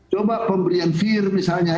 coba pemberian fir misalnya